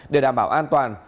để đảm bảo an toàn